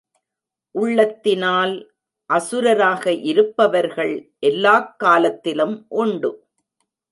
உள்ளத்தினால் அசுரராக இருப்பவர்கள் எல்லாக் காலத்திலும் உண்டு.